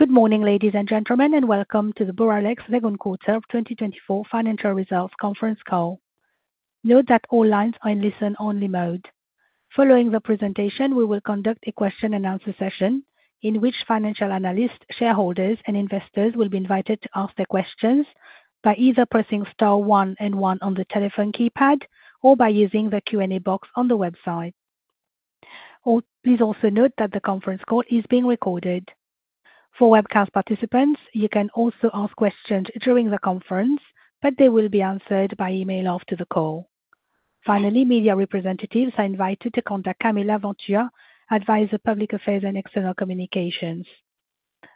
Good morning, ladies and gentlemen, and welcome to the Boralex second quarter of 2024 financial results conference call. Note that all lines are in listen-only mode. Following the presentation, we will conduct a question-and-answer session, in which financial analysts, shareholders, and investors will be invited to ask their questions by either pressing star one and one on the telephone keypad or by using the Q&A box on the website. Please also note that the conference call is being recorded. For webcast participants, you can also ask questions during the conference, but they will be answered by email after the call. Finally, media representatives are invited to contact Camille Laventure, Advisor, Public Affairs and External Communications.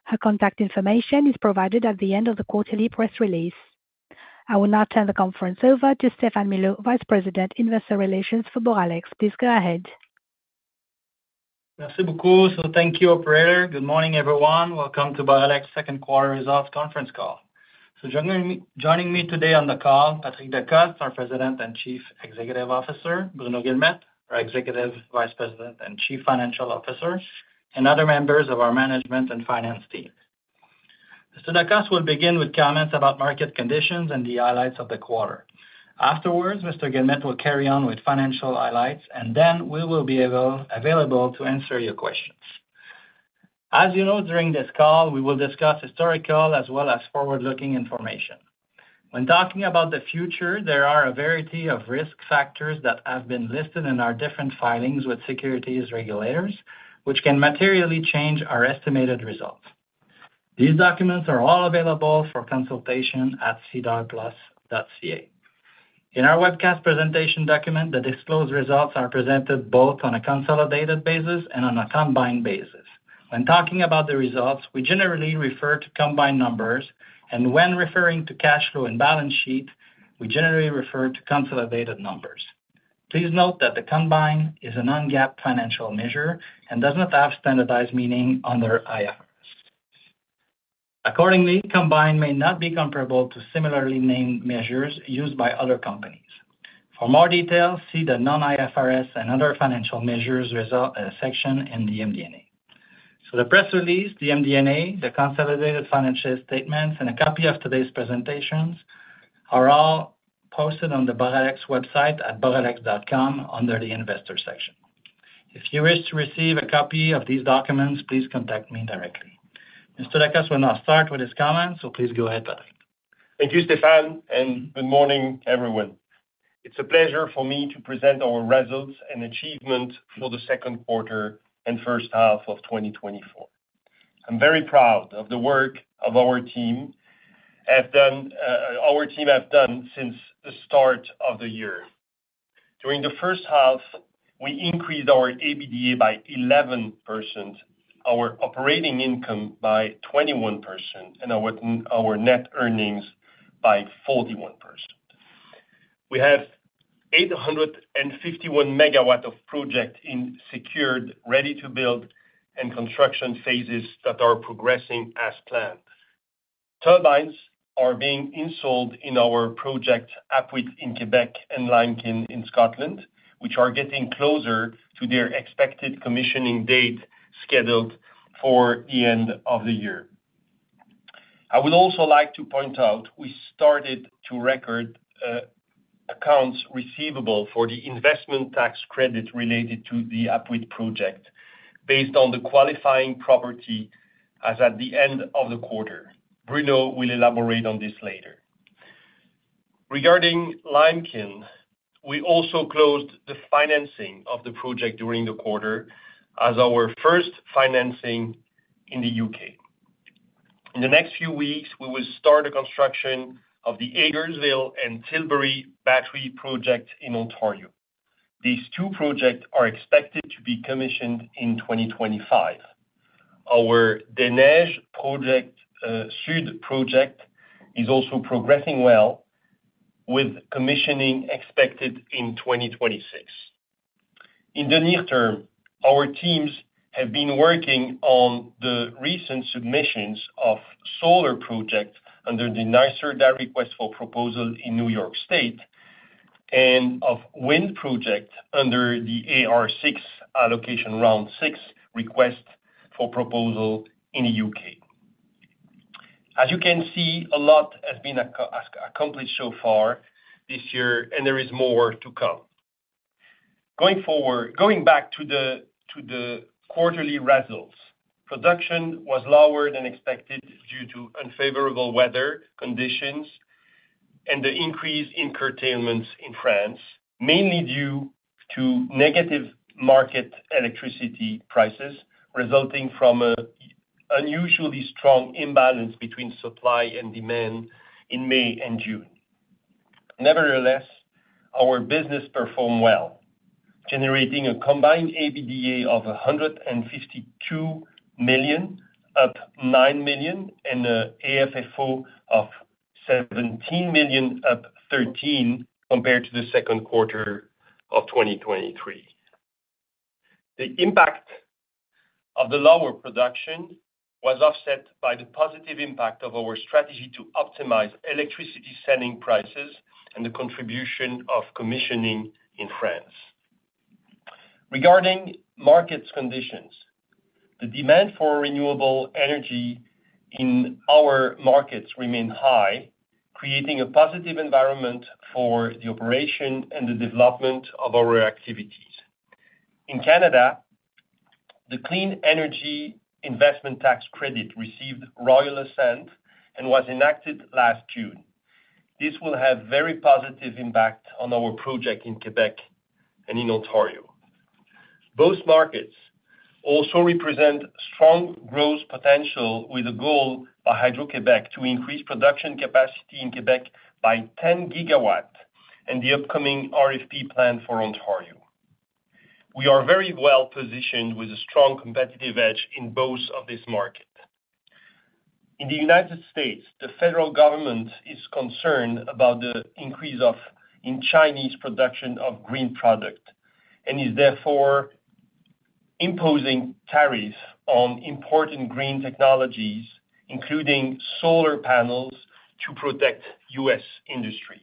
Her contact information is provided at the end of the quarterly press release. I will now turn the conference over to Stéphane Milot, Vice President, Investor Relations for Boralex. Please go ahead. Merci beaucoup. Thank you, operator. Good morning, everyone. Welcome to Boralex second quarter results conference call. Joining me, joining me today on the call, Patrick Decostre, our President and Chief Executive Officer, Bruno Guilmette, our Executive Vice President and Chief Financial Officer, and other members of our management and finance team. Mr. Decostre will begin with comments about market conditions and the highlights of the quarter. Afterwards, Mr. Guilmette will carry on with financial highlights, and then we will be able, available to answer your questions. As you know, during this call, we will discuss historical as well as forward-looking information. When talking about the future, there are a variety of risk factors that have been listed in our different filings with securities regulators, which can materially change our estimated results. These documents are all available for consultation at sedarplus.ca. In our webcast presentation document, the disclosed results are presented both on a consolidated basis and on a combined basis. When talking about the results, we generally refer to combined numbers, and when referring to cash flow and balance sheet, we generally refer to consolidated numbers. Please note that the combined is a non-GAAP financial measure and does not have standardized meaning under IFRS. Accordingly, combined may not be comparable to similarly named measures used by other companies. For more details, see the non-IFRS and other financial measures result, section in the MD&A. So the press release, the MD&A, the consolidated financial statements, and a copy of today's presentations are all posted on the Boralex website at boralex.com under the Investor section. If you wish to receive a copy of these documents, please contact me directly. Mr. Decostre will now start with his comments, so please go ahead, Patrick. Thank you, Stéphane, and good morning, everyone. It's a pleasure for me to present our results and achievement for the second quarter and first half of 2024. I'm very proud of the work of our team have done, our team have done since the start of the year. During the first half, we increased our EBITDA by 11%, our operating income by 21%, and our net earnings by 41%. We have 851 MW of projects in secured, ready-to-build, and construction phases that are progressing as planned. Turbines are being installed in our Apuiat wind project in Québec and Limekiln Wind Farm in Scotland, which are getting closer to their expected commissioning date scheduled for the end of the year. I would also like to point out, we started to record accounts receivable for the investment tax credit related to the Apuiat wind project based on the qualifying property as at the end of the quarter. Bruno will elaborate on this later. Regarding Limekiln, we also closed the financing of the project during the quarter as our first financing in the U.K. In the next few weeks, we will start a construction of the Hagersville and Tilbury battery project in Ontario. These two projects are expected to be commissioned in 2025. Our Des Neiges - Secteur Sud wind project is also progressing well, with commissioning expected in 2026. In the near term, our teams have been working on the recent submissions of solar projects under the NYSERDA request for proposal in New York State and of wind project under the AR6 Allocation Round 6 request for proposal in the U.K. As you can see, a lot has been accomplished so far this year, and there is more to come. Going forward. Going back to the quarterly results, production was lower than expected due to unfavorable weather conditions and the increase in curtailments in France, mainly due to negative market electricity prices, resulting from an unusually strong imbalance between supply and demand in May and June. Nevertheless, our business performed well, generating a combined EBITDA of 152 million, up 9 million, and an AFFO of 17 million, up 13 million compared to the second quarter of 2023. The impact of the lower production was offset by the positive impact of our strategy to optimize electricity selling prices and the contribution of commissioning in France. Regarding market conditions, the demand for renewable energy in our markets remains high, creating a positive environment for the operation and the development of our activities. In Canada, the Clean Energy Investment Tax Credit received royal assent and was enacted last June. This will have very positive impact on our projects in Québec and in Ontario. Both markets also represent strong growth potential, with a goal by Hydro-Québec to increase production capacity in Québec by 10 GW, and the upcoming RFP plan for Ontario. We are very well positioned, with a strong competitive edge in both of these markets. In the United States, the federal government is concerned about the increase in Chinese production of green products, and is therefore imposing tariffs on importing green technologies, including solar panels, to protect U.S. industries.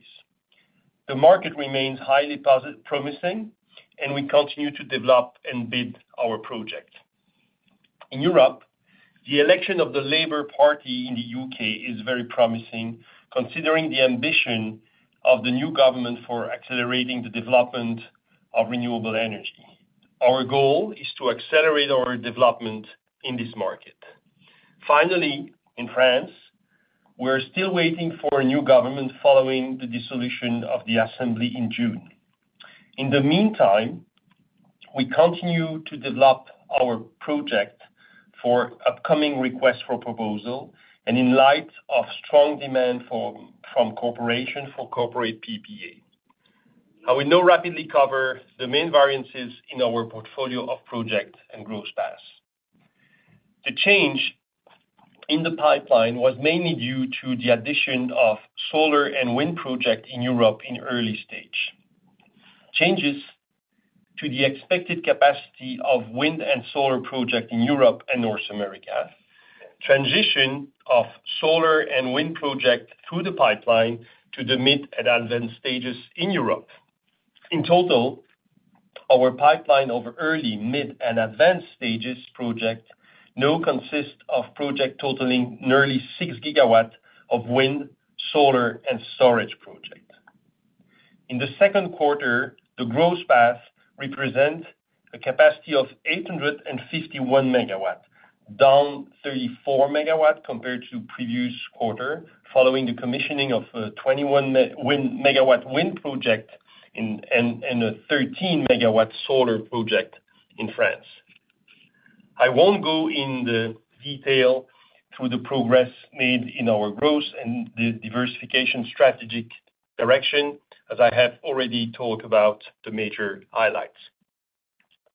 The market remains highly promising, and we continue to develop and bid our projects. In Europe, the election of the Labour Party in the U.K. is very promising, considering the ambition of the new government for accelerating the development of renewable energy. Our goal is to accelerate our development in this market. Finally, in France, we're still waiting for a new government following the dissolution of the assembly in June. In the meantime, we continue to develop our projects for upcoming requests for proposals, and in light of strong demand from corporations for corporate PPA. I will now rapidly cover the main variances in our portfolio of projects and growth paths. The change in the pipeline was mainly due to the addition of solar and wind projects in Europe in early stage. Changes to the expected capacity of wind and solar projects in Europe and North America, transition of solar and wind projects through the pipeline to the mid and advanced stages in Europe. In total, our pipeline over early, mid, and advanced stages projects now consists of projects totaling nearly 6 GW of wind, solar, and storage projects. In the second quarter, the growth path represents a capacity of 851 MW, down 34 MW compared to previous quarter, following the commissioning of 21-MW wind project in a 13-MW solar project in France. I won't go in the detail through the progress made in our growth and the diversification strategic direction, as I have already talked about the major highlights.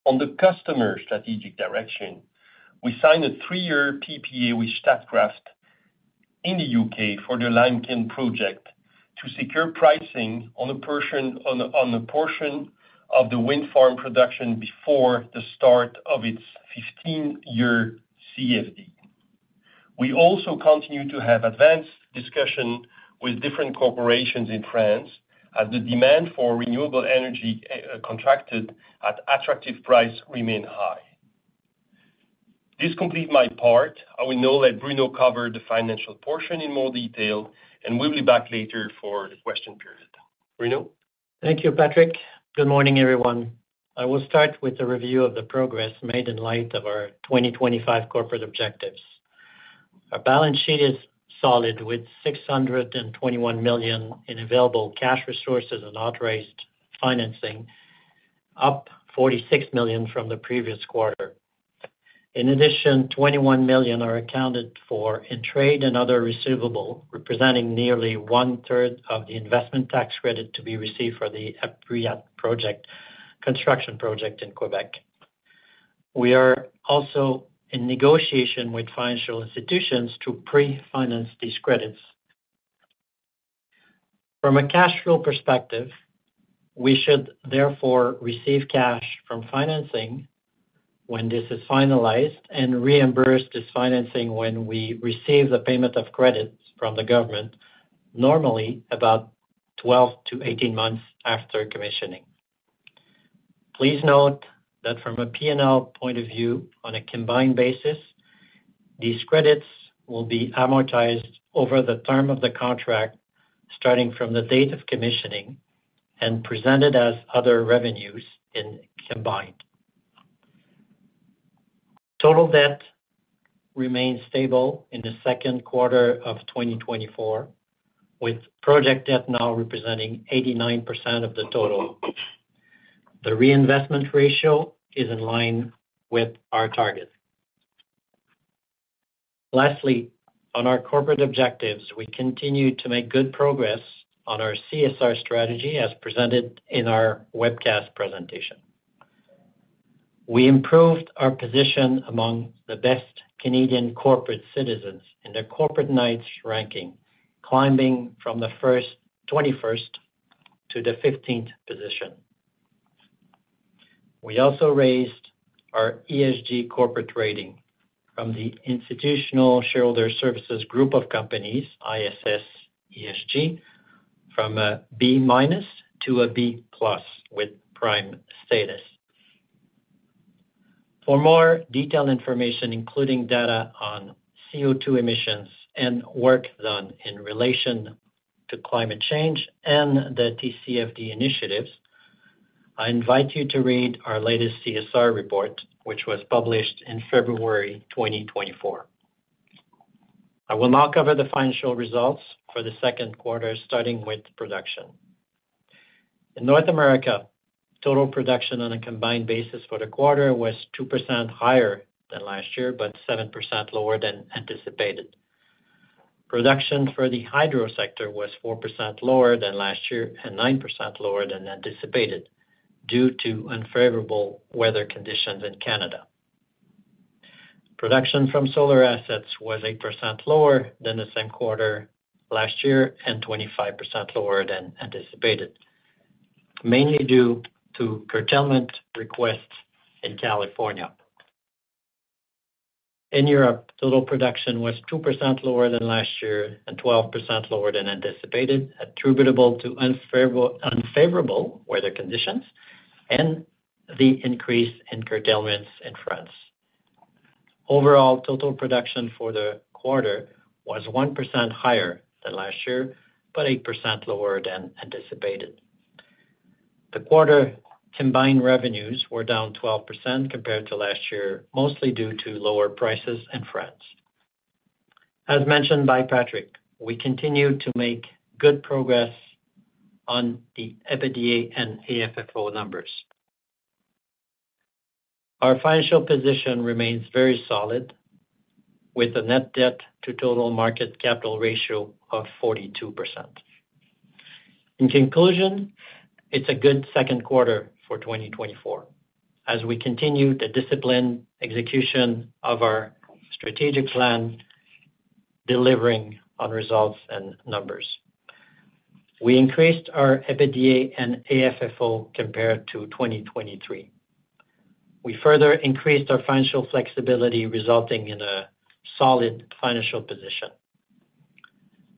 On the customer strategic direction, we signed a 3-year PPA with Statkraft in the U.K. for the Limekiln project, to secure pricing on a portion of the wind farm production before the start of its 15-year CFD. We also continue to have advanced discussion with different corporations in France, as the demand for renewable energy contracted at attractive price remain high. This complete my part. I will now let Bruno cover the financial portion in more detail, and we'll be back later for the question period. Bruno? Thank you, Patrick. Good morning, everyone. I will start with a review of the progress made in light of our 2025 corporate objectives. Our balance sheet is solid, with 621 million in available cash resources and not raised financing, up 46 million from the previous quarter. In addition, 21 million are accounted for in trade and other receivable, representing nearly one third of the investment tax credit to be received for the Apuiat project, construction project in Québec. We are also in negotiation with financial institutions to pre-finance these credits. From a cash flow perspective, we should therefore receive cash from financing when this is finalized, and reimburse this financing when we receive the payment of credits from the government, normally about 12 months-18 months after commissioning. Please note that from a P&L point of view, on a combined basis, these credits will be amortized over the term of the contract, starting from the date of commissioning, and presented as other revenues in combined. Total debt remained stable in the second quarter of 2024, with project debt now representing 89% of the total. The reinvestment ratio is in line with our target. Lastly, on our corporate objectives, we continue to make good progress on our CSR strategy, as presented in our webcast presentation. We improved our position among the best Canadian corporate citizens in the Corporate Knights ranking, climbing from the 21st to the 15th position. We also raised our ESG corporate rating from the Institutional Shareholder Services group of companies, ISS ESG-... from a B- to a B+ with prime status. For more detailed information, including data on CO₂ emissions and work done in relation to climate change and the TCFD initiatives, I invite you to read our latest CSR report, which was published in February 2024. I will now cover the financial results for the second quarter, starting with production. In North America, total production on a combined basis for the quarter was 2% higher than last year, but 7% lower than anticipated. Production for the hydro sector was 4% lower than last year and 9% lower than anticipated, due to unfavorable weather conditions in Canada. Production from solar assets was 8% lower than the same quarter last year and 25% lower than anticipated, mainly due to curtailment requests in California. In Europe, total production was 2% lower than last year and 12% lower than anticipated, attributable to unfavorable weather conditions and the increase in curtailments in France. Overall, total production for the quarter was 1% higher than last year, but 8% lower than anticipated. The quarter combined revenues were down 12% compared to last year, mostly due to lower prices in France. As mentioned by Patrick, we continue to make good progress on the EBITDA and AFFO numbers. Our financial position remains very solid, with a net debt to total market capital ratio of 42%. In conclusion, it's a good second quarter for 2024, as we continue the disciplined execution of our strategic plan, delivering on results and numbers. We increased our EBITDA and AFFO compared to 2023. We further increased our financial flexibility, resulting in a solid financial position,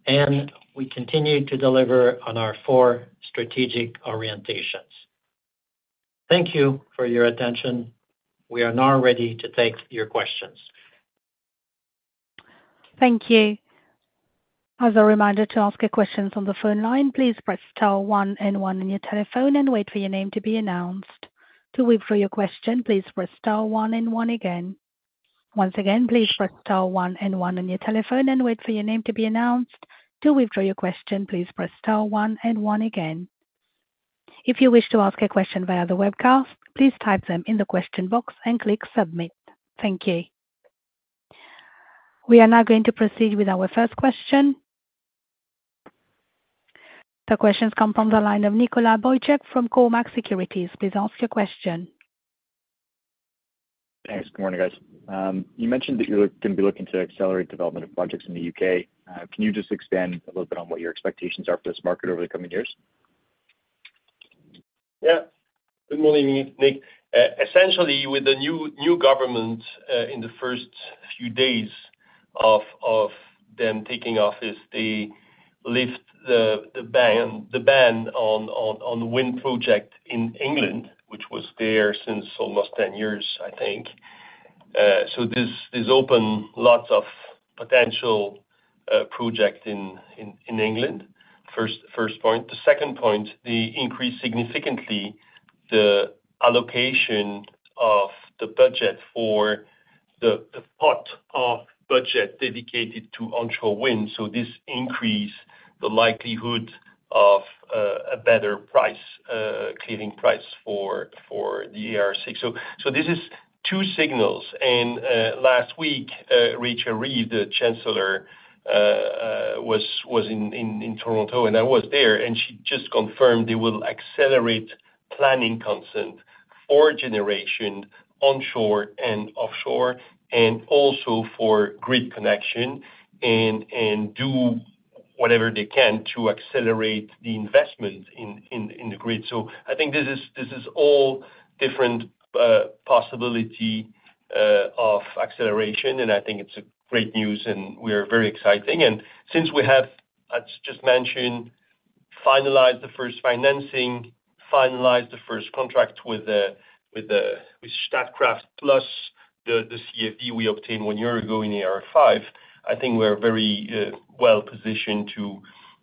and we continued to deliver on our four strategic orientations. Thank you for your attention. We are now ready to take your questions. Thank you. As a reminder, to ask a question on the phone line, please press star one and one on your telephone and wait for your name to be announced. To withdraw your question, please press star one and one again. Once again, please press star one and one on your telephone and wait for your name to be announced. To withdraw your question, please press star one and one again. If you wish to ask a question via the webcast, please type them in the question box and click Submit. Thank you. We are now going to proceed with our first question. The question comes from the line of Nicholas Boychuk from Cormark Securities. Please ask your question. Thanks. Good morning, guys. You mentioned that you're gonna be looking to accelerate development of projects in the U.K. Can you just expand a little bit on what your expectations are for this market over the coming years? Yeah. Good morning, Nick. Essentially, with the new government in the first few days of them taking office, they lift the ban on wind project in England, which was there since almost 10 years, I think. So this open lots of potential project in England, first point. The second point, they increased significantly the allocation of the budget for the pot of budget dedicated to onshore wind, so this increase the likelihood of a better price, clearing price for the AR6. So this is two signals, and last week Rachel Reeves, the chancellor, was in Toronto, and I was there, and she just confirmed they will accelerate planning consent for generation onshore and offshore, and also for grid connection, and do whatever they can to accelerate the investment in the grid. So I think this is all different possibility of acceleration, and I think it's great news, and we are very exciting. And since we have, as just mentioned, finalized the first financing, finalized the first contract with Statkraft, plus the CFD we obtained one year ago in AR5, I think we're very well-positioned to,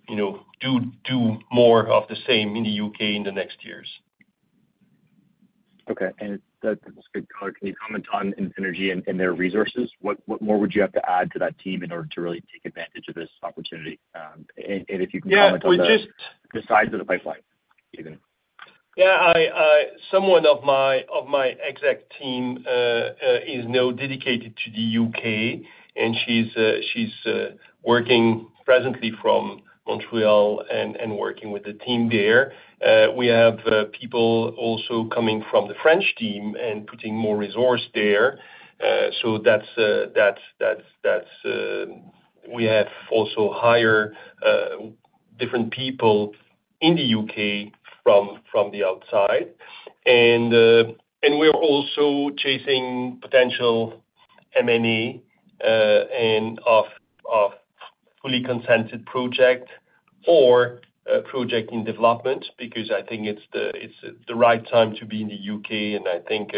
you know, do more of the same in the U.K. in the next years. Okay. That's good color. Can you comment on energy and, and their resources? What, what more would you have to add to that team in order to really take advantage of this opportunity? And, and if you can comment on the- Yeah, we just- the size of the pipeline, even. Yeah, someone of my exec team is now dedicated to the U.K., and she's working presently from Montréal and working with the team there. We have people also coming from the French team and putting more resource there. So that's... We have also hire different people in the U.K. from the outside, and we're also chasing potential-... M&A, and of fully consented project or a project in development, because I think it's the right time to be in the U.K., and I think,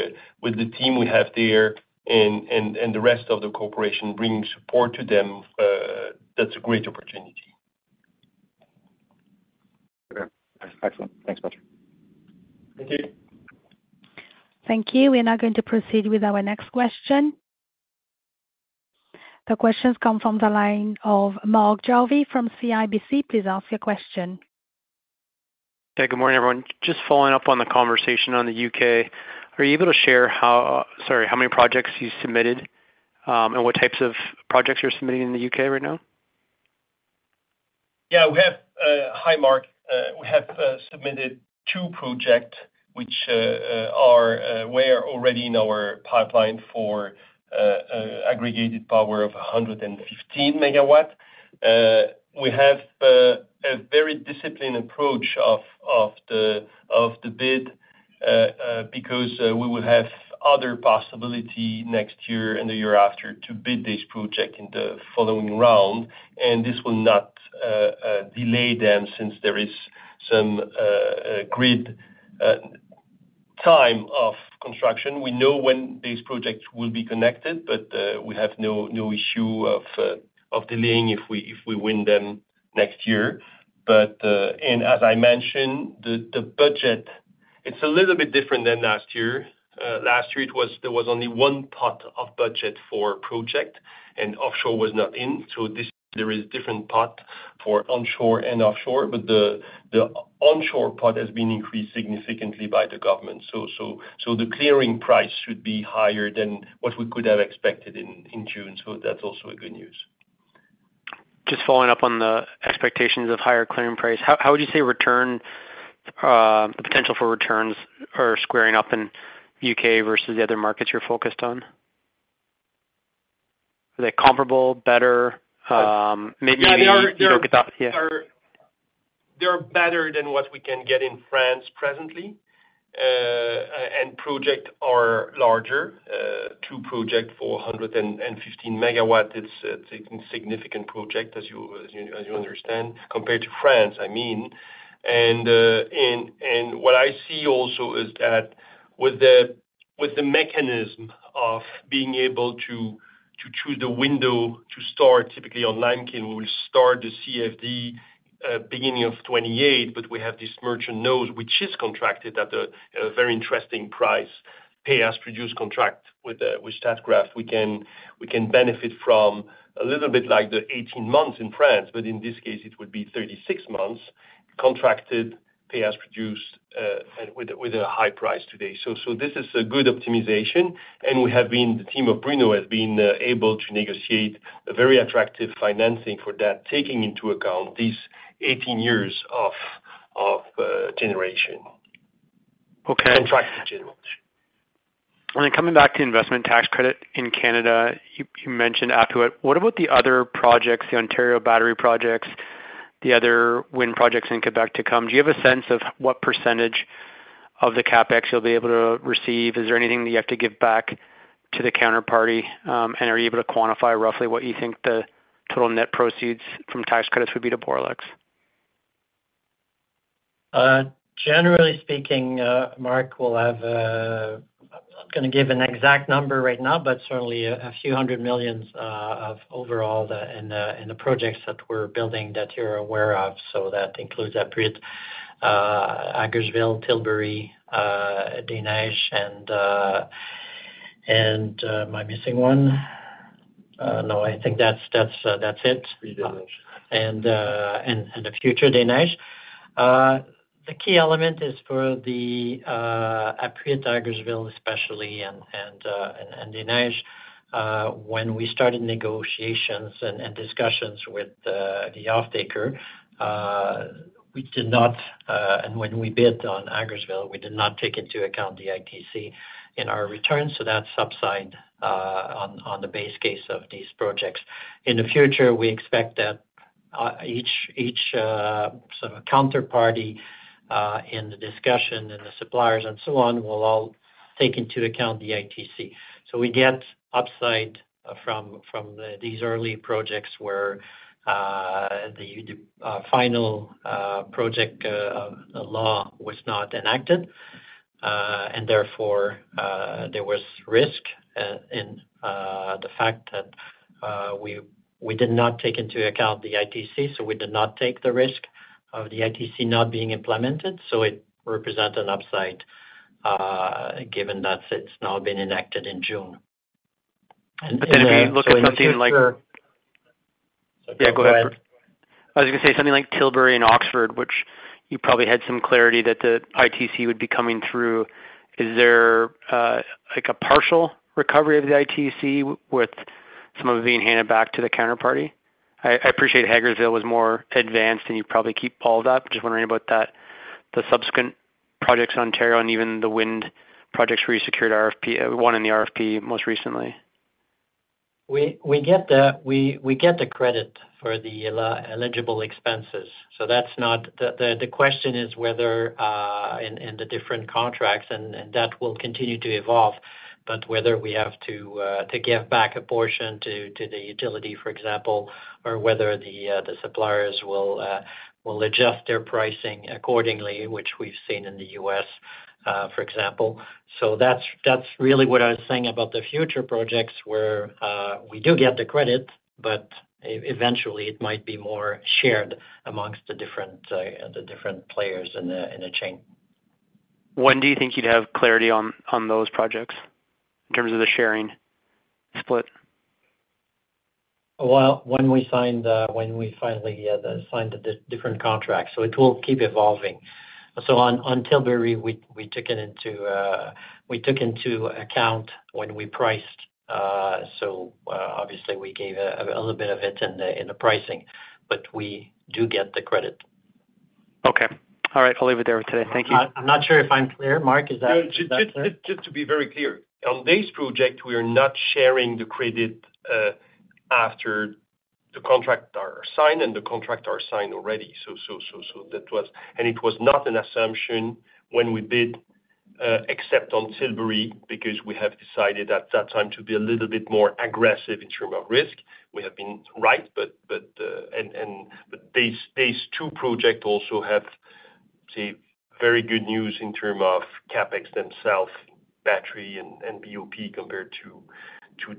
with the team we have there and the rest of the corporation bringing support to them, that's a great opportunity. Okay. Excellent. Thanks much. Thank you. Thank you. We are now going to proceed with our next question. The questions come from the line of Mark Jarvi from CIBC. Please ask your question. Hey, good morning, everyone. Just following up on the conversation on the U.K., are you able to share how, sorry, how many projects you submitted, and what types of projects you're submitting in the U.K. right now? Yeah, we have - hi, Mark. We have submitted two projects, which were already in our pipeline for aggregated power of 115 MW. We have a very disciplined approach of the bid because we will have other possibility next year and the year after to bid this project in the following round, and this will not delay them, since there is some grid time of construction. We know when these projects will be connected, but we have no issue of delaying if we win them next year. But... As I mentioned, the budget, it's a little bit different than last year. Last year there was only one pot of budget for project, and offshore was not in. So this, there is different pot for onshore and offshore, but the onshore pot has been increased significantly by the government. So the clearing price should be higher than what we could have expected in June, so that's also a good news. Just following up on the expectations of higher clearing price, how, how would you say return, the potential for returns are squaring up in the U.K. versus the other markets you're focused on? Are they comparable, better? Maybe- Yeah, they are- You don't get that. Yeah. They are better than what we can get in France presently. And projects are larger, two projects for 115 MW. It's a significant project, as you understand, compared to France, I mean. And what I see also is that with the mechanism of being able to choose the window to start, typically on Limekiln, we will start the CFD beginning of 2028, but we have this merchant node, which is contracted at a very interesting price, pay-as-produced contract. With Statkraft, we can benefit from a little bit like the 18 months in France, but in this case it would be 36 months contracted pay-as-produced, and with a high price today. This is a good optimization, and the team of Bruno has been able to negotiate a very attractive financing for that, taking into account these 18 years of generation. Okay. Contract generation. And then coming back to investment tax credit in Canada, you mentioned Apuiat. What about the other projects, the Ontario battery projects, the other wind projects in Québec to come? Do you have a sense of what percentage of the CapEx you'll be able to receive? Is there anything that you have to give back to the counterparty, and are you able to quantify roughly what you think the total net proceeds from tax credits would be to Boralex? Generally speaking, Mark, we'll have... I'm not gonna give an exact number right now, but certainly a few hundred million CAD of overall the, in the, in the projects that we're building that you're aware of. So that includes Apuiat, Hagersville, Tilbury, Des Neiges, and, and, am I missing one? No, I think that's, that's, that's it. Des Neiges. The future Des Neiges. The key element is for the Apuiat, Hagersville especially, and Des Neiges, when we started negotiations and discussions with the offtaker, we did not, and when we bid on Hagersville, we did not take into account the ITC in our returns, so that subsidy on the base case of these projects. In the future, we expect that each sort of counterparty in the discussion, and the suppliers and so on, will all take into account the ITC. So we get upside from the early projects where the final project law was not enacted, and therefore, there was risk in the fact that we did not take into account the ITC, so we did not take the risk of the ITC not being implemented. So it represent an upside, given that it's now been enacted in June. But then if you look at something like- Yeah, go ahead. I was gonna say something like Tilbury and Oxford, which you probably had some clarity that the ITC would be coming through. Is there, like, a partial recovery of the ITC with some of it being handed back to the counterparty? I appreciate Hagersville was more advanced, and you probably keep it up. Just wondering about that, the subsequent projects in Ontario and even the wind projects where you secured RFP, one in the RFP most recently.... We get the credit for the eligible expenses, so that's not the question is whether in the different contracts, and that will continue to evolve, but whether we have to give back a portion to the utility, for example, or whether the suppliers will adjust their pricing accordingly, which we've seen in the US, for example. So that's really what I was saying about the future projects where we do get the credit, but eventually it might be more shared amongst the different players in the chain. When do you think you'd have clarity on those projects in terms of the sharing split? Well, when we finally sign the different contracts, so it will keep evolving. So on Tilbury, we took it into account when we priced, so obviously we gave a little bit of it in the pricing, but we do get the credit. Okay. All right, I'll leave it there today. Thank you. I'm not sure if I'm clear, Mark. Is that clear? No, just to be very clear, on this project, we are not sharing the credit after the contracts are signed, and the contracts are signed already. So that was... And it was not an assumption when we bid, except on Tilbury, because we have decided at that time to be a little bit more aggressive in terms of risk. We have been right, but these two projects also have, say, very good news in terms of CapEx themselves, battery and BOP compared to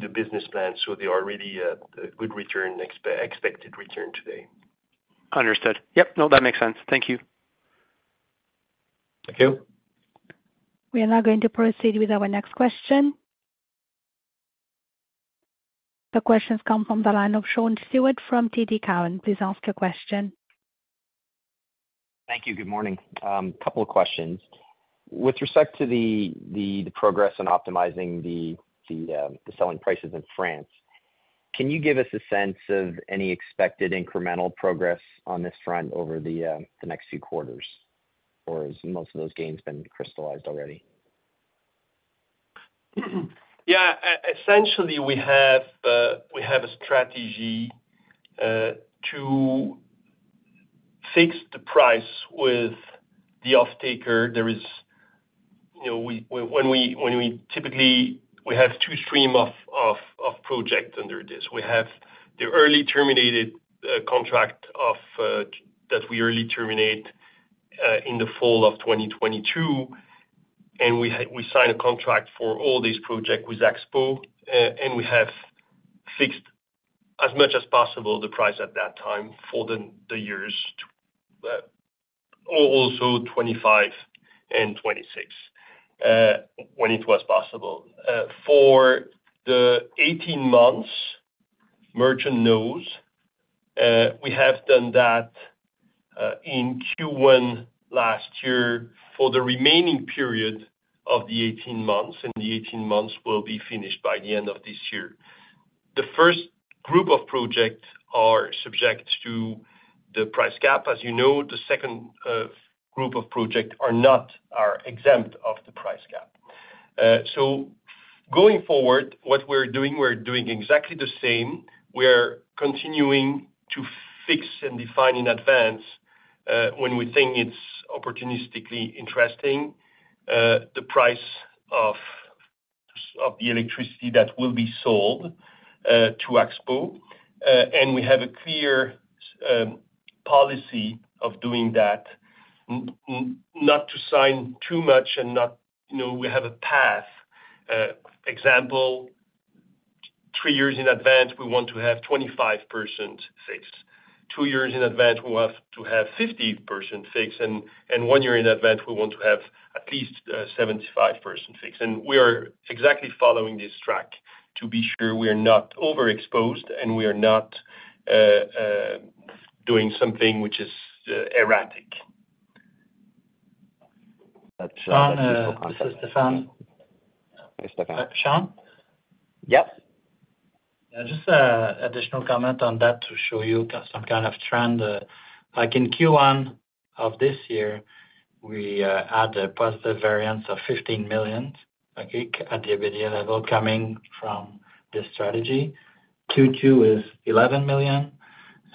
the business plan. So they are really a good return, expected return today. Understood. Yep, no, that makes sense. Thank you. Thank you. We are now going to proceed with our next question. The question comes from the line of Sean Steuart from TD Cowen. Please ask your question. Thank you. Good morning. Couple of questions. With respect to the progress on optimizing the selling prices in France, can you give us a sense of any expected incremental progress on this front over the next few quarters, or has most of those gains been crystallized already? Yeah, essentially, we have a strategy to fix the price with the offtaker. There is, you know, when we typically, we have two streams of projects under this. We have the early terminated contract that we early terminated in the fall of 2022, and we signed a contract for all these projects with Axpo, and we have fixed as much as possible the price at that time for the years 2025 and 2026, when it was possible. For the 18 months merchant mode, we have done that in Q1 last year for the remaining period of the 18 months, and the 18 months will be finished by the end of this year. The first group of projects are subject to the price cap. As you know, the second group of project are not, are exempt of the price cap. So going forward, what we're doing, we're doing exactly the same. We're continuing to fix and define in advance, when we think it's opportunistically interesting, the price of the electricity that will be sold to Axpo. And we have a clear policy of doing that, not to sign too much and not, you know, we have a path. Example, three years in advance, we want to have 25% fixed. Two years in advance, we want to have 50% fixed, and one year in advance, we want to have at least 75% fixed. And we are exactly following this track to be sure we are not overexposed and we are not doing something which is erratic. Sean, this is Stéphane. Hi, Stéphane. Sean? Yep. Just additional comment on that to show you some kind of trend. Like in Q1 of this year, we had a positive variance of 15 million, okay, at the EBITDA level, coming from this strategy. Q2 is 11 million,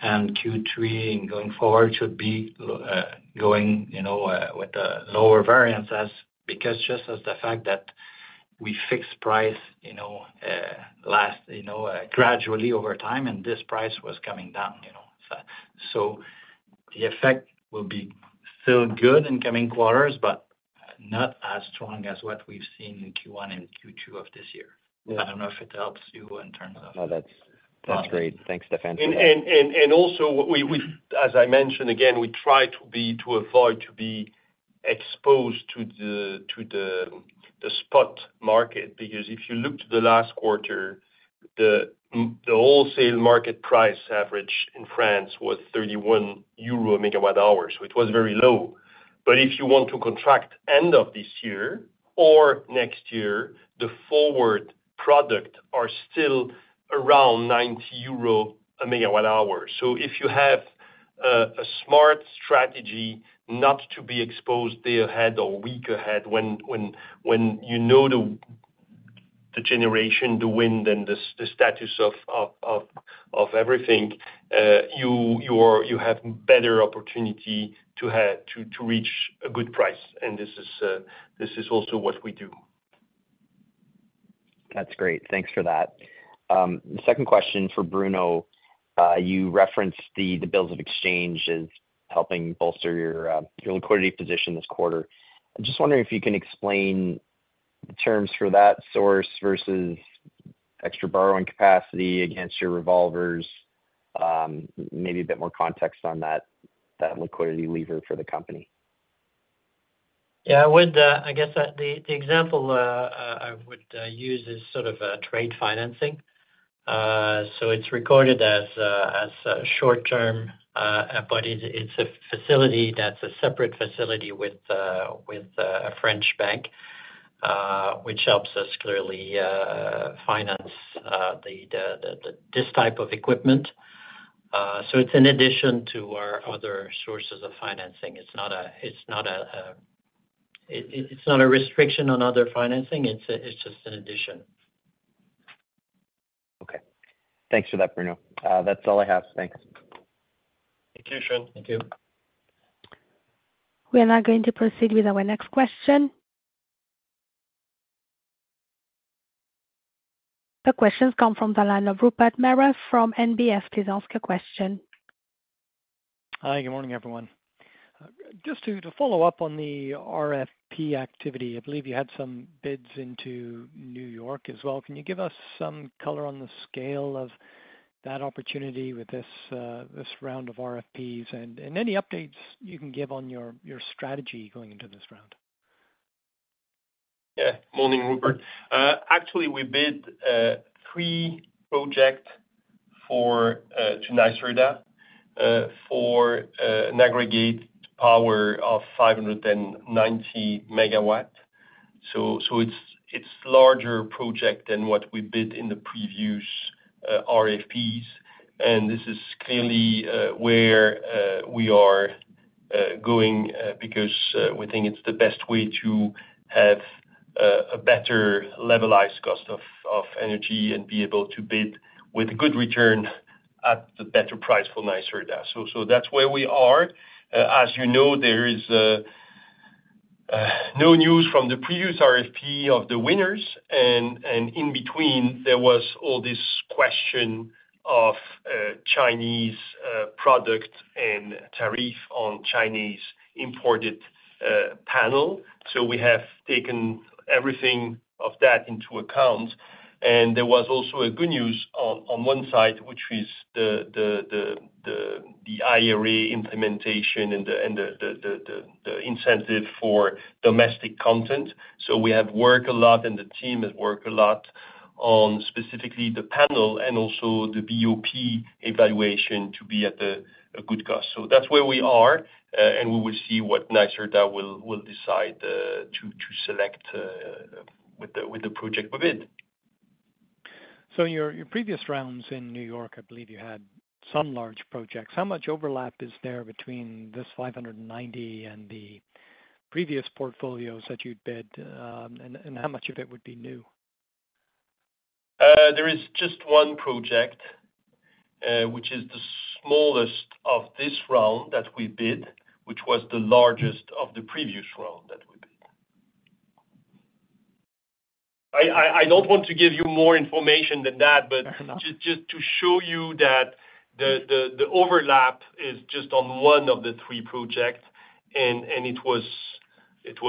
and Q3 and going forward should be lower, you know, with a lower variance because just as the fact that we fixed price, you know, last, you know, gradually over time, and this price was coming down, you know? So, the effect will be still good in coming quarters, but not as strong as what we've seen in Q1 and Q2 of this year. Yeah. I don't know if it helps you in terms of- No, that's, that's great. Thanks, Stéphane. Also what we as I mentioned again, we try to avoid to be exposed to the spot market, because if you look to the last quarter, the wholesale market price average in France was 31 euro/MWh, so it was very low. But if you want to contract end of this year or next year, the forward product are still around 90 euro/MWh. So if you have a smart strategy not to be exposed day ahead or week ahead when you know the generation, the wind, and the status of everything, you have better opportunity to have to reach a good price, and this is also what we do. That's great. Thanks for that. The second question for Bruno. You referenced the bills of exchange as helping bolster your liquidity position this quarter. I'm just wondering if you can explain the terms for that source versus extra borrowing capacity against your revolvers? Maybe a bit more context on that liquidity lever for the company. Yeah, I would, I guess, the example I would use is sort of trade financing. So it's recorded as short term, but it's a facility that's a separate facility with a French bank, which helps us clearly finance this type of equipment. So it's in addition to our other sources of financing. It's not a restriction on other financing, it's just an addition. Okay. Thanks for that, Bruno. That's all I have. Thanks. Thank you, Sean. Thank you. We are now going to proceed with our next question. The question comes from the line of Rupert Merer from NBF. Please ask a question. Hi, good morning, everyone. Just to follow up on the RFP activity, I believe you had some bids into New York as well. Can you give us some color on the scale of that opportunity with this round of RFPs? And any updates you can give on your strategy going into this round? Yeah. Morning, Rupert. Actually, we bid three project for to NYSERDA for an aggregate power of 590 MW. So it's larger project than what we bid in the previous RFPs, and this is clearly where we are going because we think it's the best way to have a better levelized cost of energy and be able to bid with good return at the better price for NYSERDA. So that's where we are. As you know, there is no news from the previous RFP of the winners, and in between, there was all this question of Chinese product and tariff on Chinese imported panel. So we have taken everything of that into account. And there was also a good news on one side, which is the IRA implementation and the incentive for domestic content. So we have worked a lot, and the team has worked a lot on specifically the panel and also the BOP evaluation to be at a good cost. So that's where we are, and we will see what NYSERDA will decide to select with the project we bid. So in your, your previous rounds in New York, I believe you had some large projects. How much overlap is there between this 590 MW and the previous portfolios that you'd bid, and, and how much of it would be new? There is just one project, which is the smallest of this round that we bid, which was the largest of the previous round that we bid. I don't want to give you more information than that- Fair enough.... but just to show you that the overlap is just on one of the three projects, and it was—it's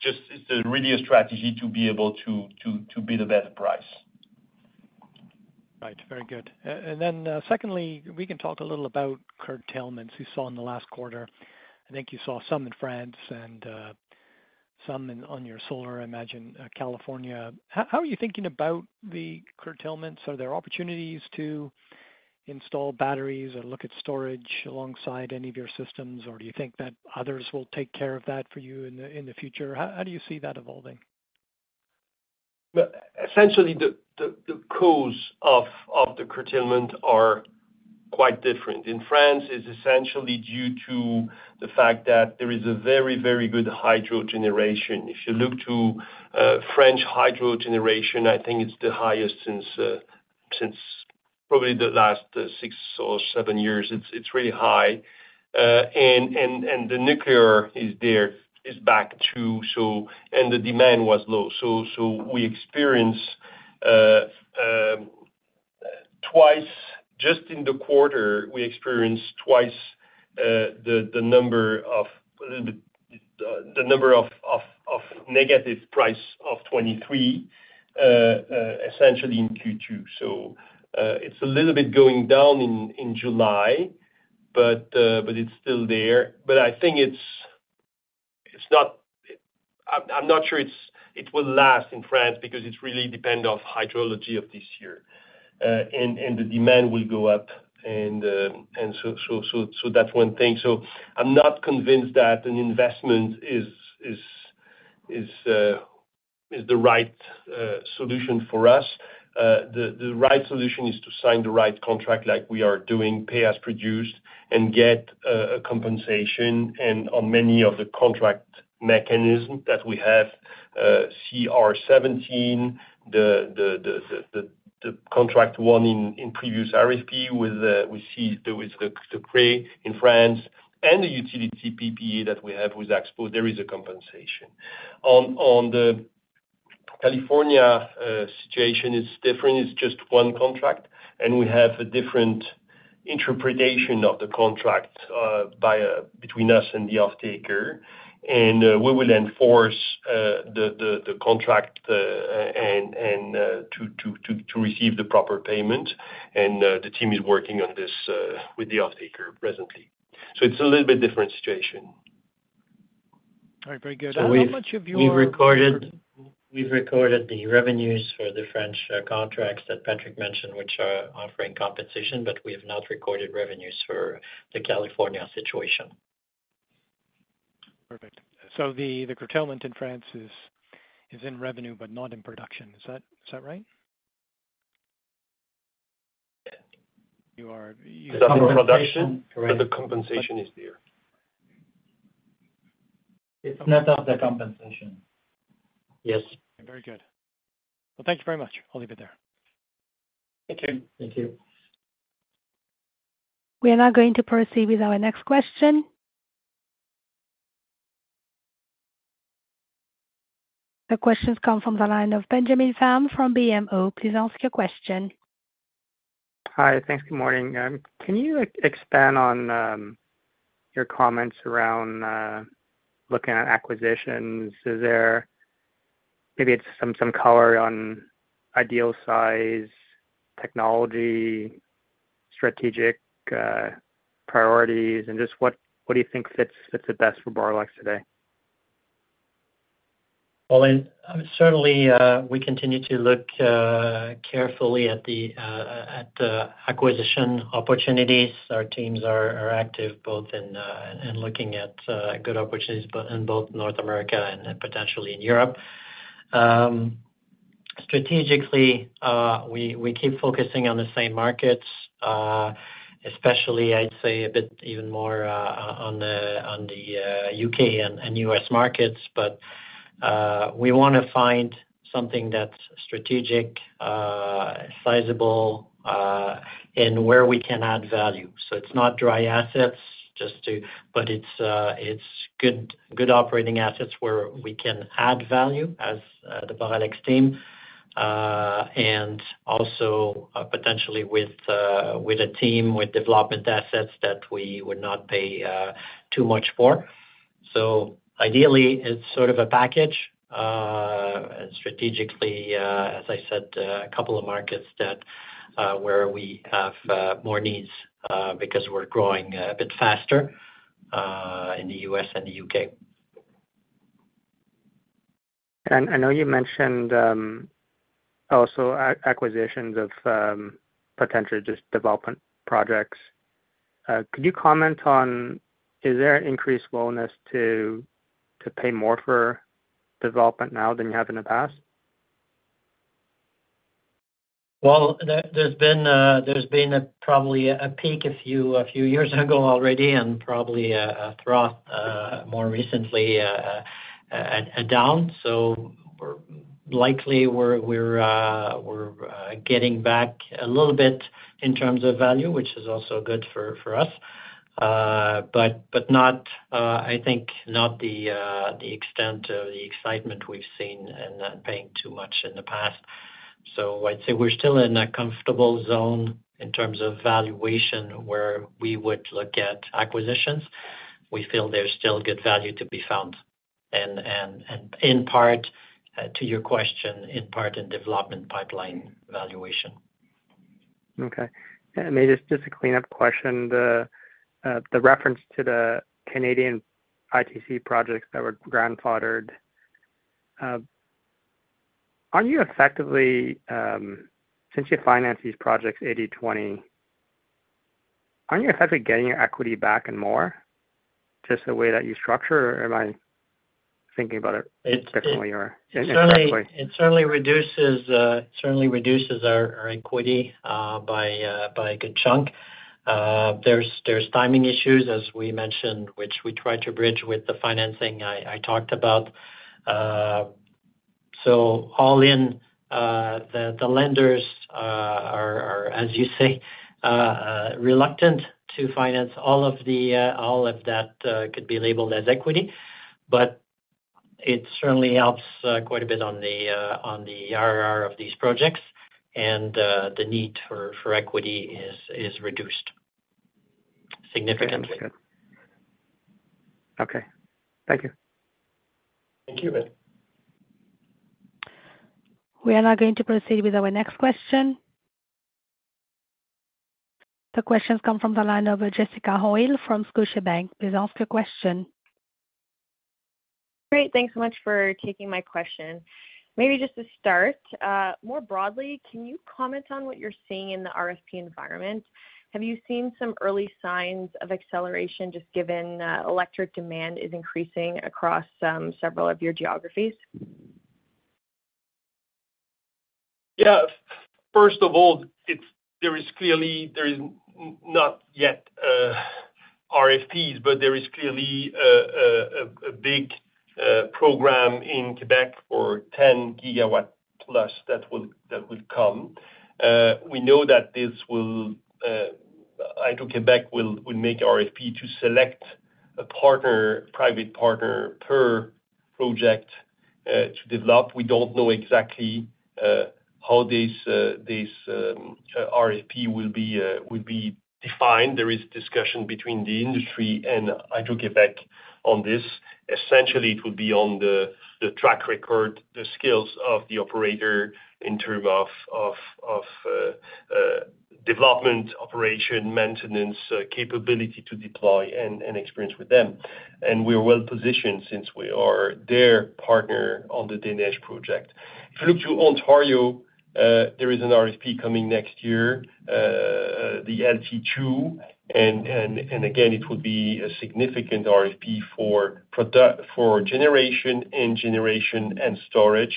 just, it's really a strategy to be able to bid a better price. Right. Very good. And then, secondly, we can talk a little about curtailments we saw in the last quarter. I think you saw some in France and some in, on your solar, I imagine, California. How are you thinking about the curtailments? Are there opportunities to install batteries or look at storage alongside any of your systems, or do you think that others will take care of that for you in the future? How do you see that evolving? Essentially, the cause of the curtailment are quite different. In France, it's essentially due to the fact that there is a very, very good hydro generation. If you look to French hydro generation, I think it's the highest since probably the last six or seven years. It's really high. And the nuclear is back, too, so... The demand was low. So we experienced twice, just in the quarter, the number of negative prices of 23, essentially in Q2. So it's a little bit going down in July, but it's still there. But I think it's not. I'm not sure it will last in France because it's really depend on hydrology of this year. And the demand will go up, and so that's one thing. So I'm not convinced that an investment is the right solution for us. The right solution is to sign the right contract like we are doing, pay-as-produced, and get a compensation. And on many of the contract mechanism that we have, CR 17, the contract one in previous RFP with, we see there is the CRE in France and the utility PPA that we have with Axpo, there is a compensation. On the California situation is different. It's just one contract, and we have a different interpretation of the contract between us and the offtaker. We will enforce the contract and to receive the proper payment. The team is working on this with the offtaker presently. So it's a little bit different situation. All right, very good. So we've- How much of your- We've recorded, we've recorded the revenues for the French contracts that Patrick mentioned, which are offering compensation, but we have not recorded revenues for the California situation. Perfect. So the curtailment in France is in revenue but not in production. Is that right? Yeah. You are- It's in production- Compensation. But the compensation is there. It's net of the compensation. Yes. Very good. Well, thank you very much. I'll leave it there. Thank you. Thank you. We are now going to proceed with our next question. The questions come from the line of Benjamin Pham from BMO. Please ask your question. Hi, thanks. Good morning. Can you expand on your comments around looking at acquisitions? Is there maybe some color on ideal size, technology, strategic priorities, and just what do you think fits the best for Boralex today? Well, and, certainly, we continue to look carefully at the acquisition opportunities. Our teams are active both in looking at good opportunities in both North America and potentially in Europe. Strategically, we keep focusing on the same markets, especially, I'd say, a bit even more on the U.K. and U.S. markets. But we wanna find something that's strategic, sizable, and where we can add value. So it's not dry assets, just to... But it's good operating assets where we can add value as the Boralex team, and also potentially with a team with development assets that we would not pay too much for. Ideally, it's sort of a package, and strategically, as I said, a couple of markets that where we have more needs because we're growing a bit faster in the U.S. and the U.K. I know you mentioned also acquisitions of potentially just development projects. Could you comment on, is there an increased willingness to pay more for development now than you have in the past? Well, there's been probably a peak a few years ago already and probably a trough more recently, a down. So we're likely getting back a little bit in terms of value, which is also good for us. But not, I think not the extent of the excitement we've seen and not paying too much in the past. So I'd say we're still in a comfortable zone in terms of valuation, where we would look at acquisitions. We feel there's still good value to be found, and in part to your question, in part in development pipeline valuation. Okay. And maybe just a cleanup question, the reference to the Canadian ITC projects that were grandfathered. Aren't you effectively, since you finance these projects 80/20, aren't you effectively getting your equity back and more, just the way that you structure, or am I thinking about it differently or- It certainly- Inactively. It certainly reduces our equity by a good chunk. There's timing issues, as we mentioned, which we try to bridge with the financing I talked about. So all in, the lenders are, as you say, reluctant to finance all of that could be labeled as equity, but it certainly helps quite a bit on the IRR of these projects, and the need for equity is reduced significantly. Okay, thank you. Thank you, Ben. We are now going to proceed with our next question. The question's come from the line of Jessica Hoyle from Scotiabank. Please ask your question. Great, thanks so much for taking my question. Maybe just to start, more broadly, can you comment on what you're seeing in the RFP environment? Have you seen some early signs of acceleration, just given, electric demand is increasing across, several of your geographies?... Yeah, first of all, it's; there is clearly not yet RFPs, but there is clearly a big program in Québec for 10 GW plus that will come. We know that this will, Hydro-Québec will make RFP to select a partner, private partner per project, to develop. We don't know exactly how this RFP will be defined. There is discussion between the industry and Hydro-Québec on this. Essentially, it will be on the track record, the skills of the operator in terms of development, operation, maintenance, capability to deploy and experience with them. And we are well positioned since we are their partner on the Des Neiges project. If you look to Ontario, there is an RFP coming next year, the LT2, and again, it will be a significant RFP for generation and storage,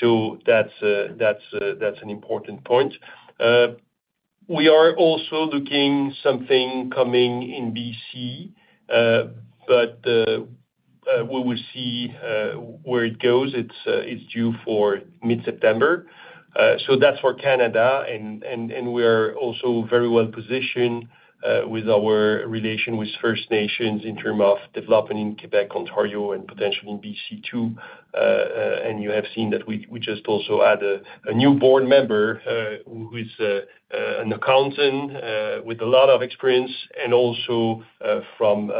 so that's an important point. We are also looking something coming in BC, but we will see where it goes. It's due for mid-September. So that's for Canada, and we are also very well positioned with our relation with First Nations in term of developing in Québec, Ontario, and potentially in BC too. and you have seen that we just also add a new board member, who is an accountant with a lot of experience and also from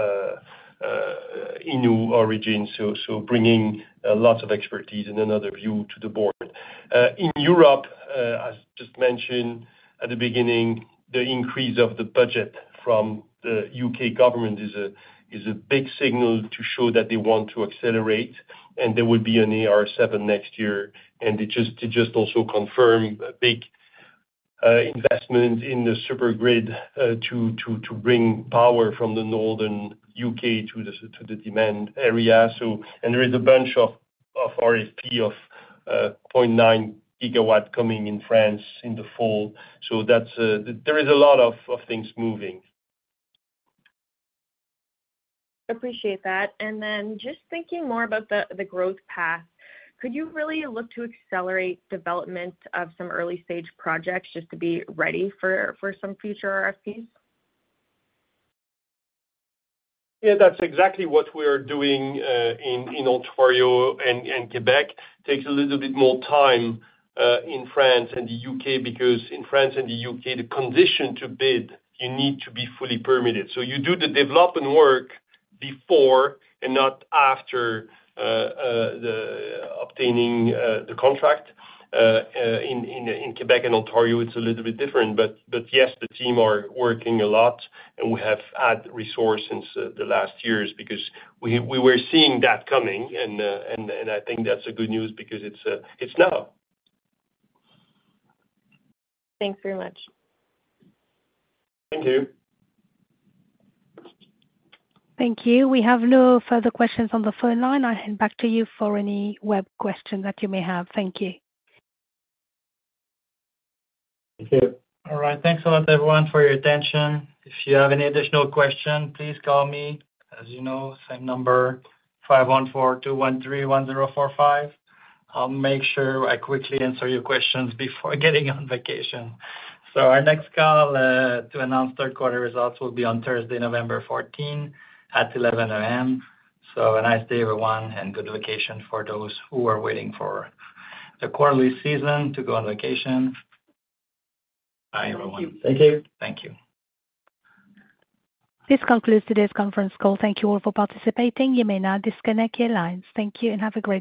Inuit origin, so bringing lots of expertise and another view to the board. In Europe, as just mentioned at the beginning, the increase of the budget from the U.K. government is a big signal to show that they want to accelerate, and there will be an AR7 next year. And it just also confirm a big investment in the super grid to bring power from the northern U.K. to the demand area. There is a bunch of RFPs of 0.9 GW coming in France in the fall, so there is a lot of things moving. Appreciate that. And then just thinking more about the growth path, could you really look to accelerate development of some early-stage projects just to be ready for some future RFPs? Yeah, that's exactly what we're doing in Ontario and Québec. Takes a little bit more time in France and the U.K., because in France and the U.K., the condition to bid, you need to be fully permitted. So you do the development work before and not after the obtaining the contract. In Québec and Ontario, it's a little bit different, but yes, the team are working a lot, and we have added resource since the last years, because we were seeing that coming, and I think that's a good news because it's now. Thanks very much. Thank you. Thank you. We have no further questions on the phone line. I hand back to you for any web question that you may have. Thank you. Thank you. All right. Thanks a lot, everyone, for your attention. If you have any additional question, please call me. As you know, same number, 514 213-1045. I'll make sure I quickly answer your questions before getting on vacation. So our next call to announce third quarter results will be on Thursday, November 14, at 11 A.M. So a nice day, everyone, and good vacation for those who are waiting for the quarterly season to go on vacation. Bye, everyone. Thank you. Thank you. This concludes today's conference call. Thank you all for participating. You may now disconnect your lines. Thank you, and have a good day.